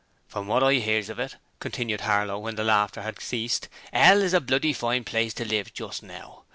'From what I hears of it,' continued Harlow when the laughter had ceased, ''ell is a bloody fine place to live in just now.